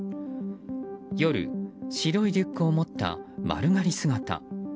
夜、白いリュックを持った丸刈り姿。